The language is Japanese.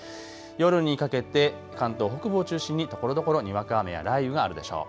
夜にかけて関東北部を中心にところどころにわか雨や雷雨があるでしょう。